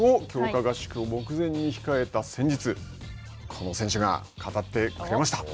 合宿を目前に控えた先日、この選手が語ってくれました。